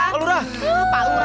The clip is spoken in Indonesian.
pak lurah ayo